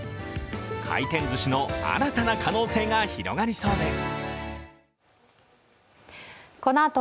回転ずしの新たな可能性が広がりそうです。